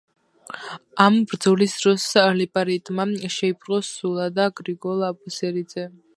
ამ ბრძოლის დროს ლიპარიტმა შეიპყრო სულა და გრიგოლ აბუსერისძე.